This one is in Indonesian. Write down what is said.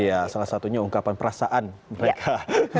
iya salah satunya ungkapan perasaan mereka